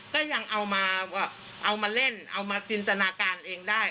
ก็ยังเอามาเอามาเล่นเอามาจินตนาการเองได้